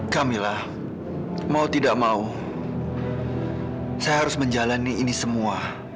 kamilah mau tidak mau saya harus menjalani ini semua